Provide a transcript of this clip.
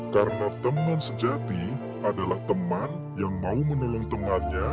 karena teman sejati adalah teman yang mau menolong temannya